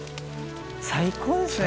最高ですね